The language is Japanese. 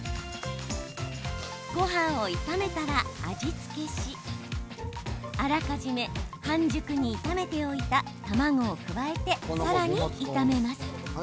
ごはんを炒めたら味付けしあらかじめ半熟に炒めておいた卵を加えて、さらに炒めます。